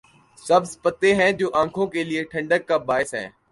سبز پتے ہیں جو آنکھوں کے لیے ٹھنڈک کا باعث ہیں۔